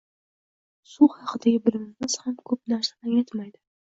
Suv haqidagi bilimimiz ham ko‘p narsani anglatmaydi